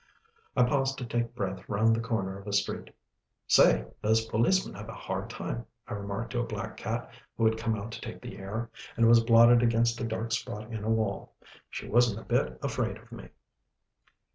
I paused to take breath round the corner of a street. "Say, those policemen have a hard time," I remarked to a black cat who had come out to take the air, and was blotted against a dark spot in a wall. She wasn't a bit afraid of me.